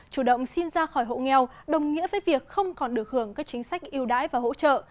chủ động xin ra khỏi hộ nghèo đồng nghĩa với việc không còn được hưởng các chính sách yêu đái và hỗ trợ